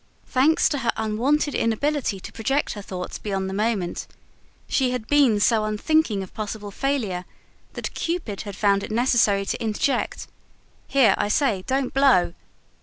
Thanks to her wonted inability to project her thoughts beyond the moment, she had been so unthinking of possible failure that Cupid had found it necessary to interject: "Here, I say, don't blow!"